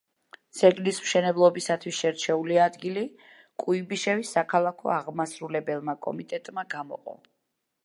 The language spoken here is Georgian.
ძეგლის მშენებლობისათვის შერჩეული ადგილი კუიბიშევის საქალაქო აღმასრულებელმა კომიტეტმა გამოყო.